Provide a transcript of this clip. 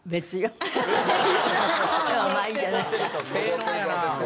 正論やな。